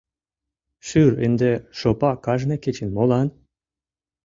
Шӱр ынде шопа кажне кечын молан?